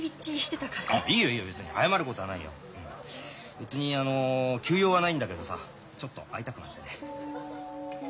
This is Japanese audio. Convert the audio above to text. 別にあの急用はないんだけどさちょっと会いたくなってね。